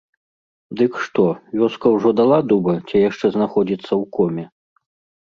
Дык што, вёска ўжо дала дуба ці яшчэ знаходзіцца ў коме?